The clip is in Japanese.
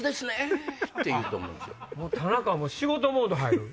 田中は仕事モード入る？